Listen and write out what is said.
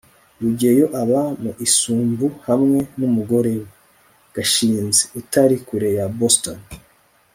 rugeyo aba mu isambu hamwe n'umugore we, gashinzi, utari kure ya boston